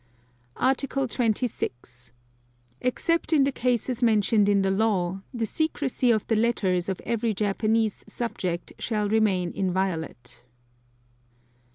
Article 26. Except in the cases mentioned in the law, the secrecy of the letters of every Japanese subject shall remain inviolate.